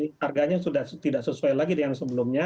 harganya sudah tidak sesuai lagi dengan sebelumnya